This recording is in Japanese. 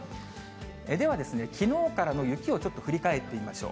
では、きのうからの雪をちょっと振り返ってみましょう。